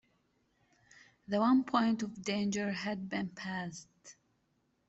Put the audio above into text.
The one point of danger had been passed.